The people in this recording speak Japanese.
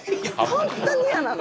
本当に嫌なの！